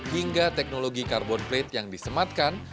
hingga teknologi carbon plate yang disematkan